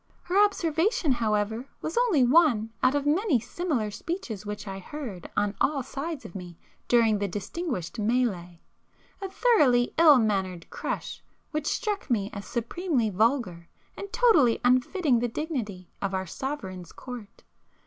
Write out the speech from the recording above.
Her observation however was only one out of many similar speeches which I heard on all sides of me during the 'distinguished' mélée,—a thoroughly ill mannered 'crush,' which struck me as supremely vulgar and totally unfitting the dignity of our Sovereign's court.